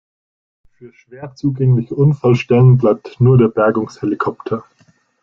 Für schwer zugängliche Unfallstellen bleibt nur der Bergungshelikopter.